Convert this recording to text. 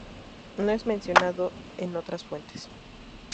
No es mencionado en otras fuentes.